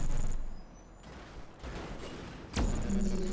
それが日常？